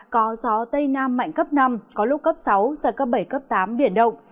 có gió tây nam mạnh cấp năm có lúc cấp sáu giật cấp bảy cấp tám biển động